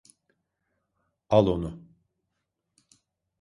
Al onu.